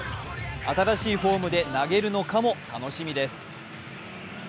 新しいフォームで投げるのかも楽しみです。